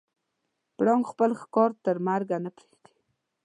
پړانګ خپل ښکار تر مرګه نه پرېږدي.